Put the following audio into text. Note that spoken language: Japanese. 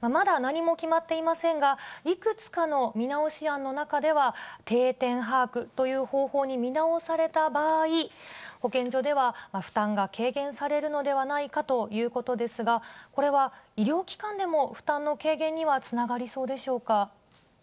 まだ何も決まっていませんが、いくつかの見直し案の中では、定点把握という方法に見直された場合、保健所では負担が軽減されるのではないかということですが、これは医療機関でも負担の軽減にはつながりそうでしょうか。